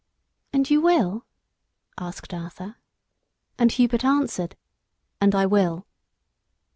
"And you will?" asked Arthur. And Hubert answered, "And I will."